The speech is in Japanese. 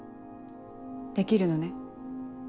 できるのね？